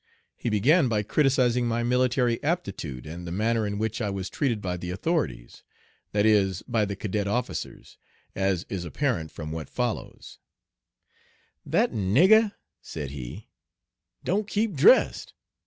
He began by criticising my military aptitude and the manner in which I was treated by the authorities, that is, by the cadet officers, as is apparent from what follows: "That nigger," said he, "don't keep dressed.